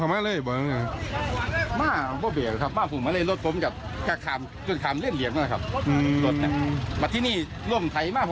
มาที่นี่เล่มไทยมาอยู่